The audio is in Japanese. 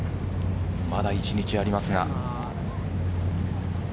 まだ一日ありますが。